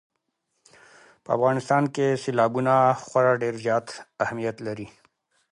په افغانستان کې سیلابونه خورا ډېر زیات اهمیت لري.